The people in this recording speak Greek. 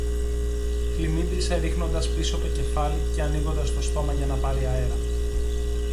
χλιμίντρισε ρίχνοντας πίσω το κεφάλι και ανοίγοντας το στόμα για να πάρει αέρα